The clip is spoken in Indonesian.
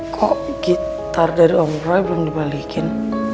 kok gitar dari om prime belum dibalikin